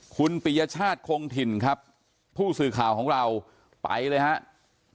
คุณปิยชาติคงถิ่นครับผู้สื่อข่าวของเราไปเลยครับ